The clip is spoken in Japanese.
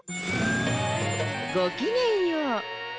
ごきげんよう。